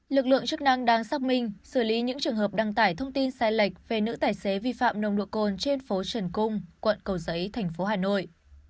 lực lượng chức năng đang xác minh xử lý những trường hợp đăng tải thông tin sai lệch về nữ tài xế vi phạm nồng độ cồn trên phố trần cung quận cầu giấy thành phố hà nội